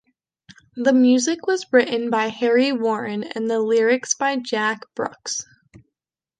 The music was written by Harry Warren and the lyrics by Jack Brooks.